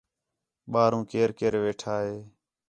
ٻاہروں کئیر کڑیر ویٹھا ہے